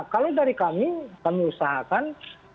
kalau dari kami kami usaha ini kita bisa mencari kemampuan